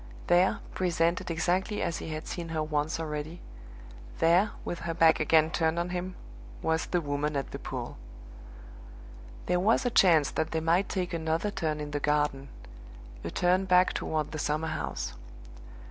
There, presented exactly as he had seen her once already there, with her back again turned on him, was the Woman at the pool! There was a chance that they might take another turn in the garden a turn back toward the summer house.